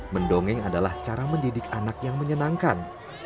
mendongeng adalah cara mendidik anak yang menyenangkan